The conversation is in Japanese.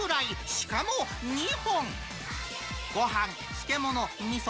しかも２本。